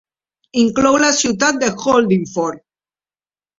Inclou la ciutat de Holdingford.